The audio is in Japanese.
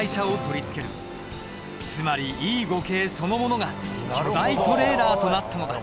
つまりＥ５系そのものが巨大トレーラーとなったのだ。